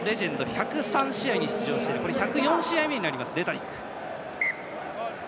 １０３試合に出場して今日が１０４試合目のレタリック。